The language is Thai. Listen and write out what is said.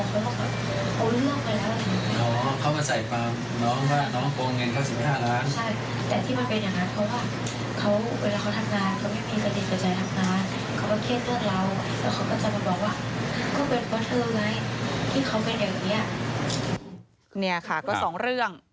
ก็สองเรื่อง